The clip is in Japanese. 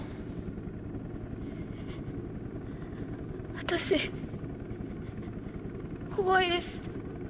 ☎私怖いです。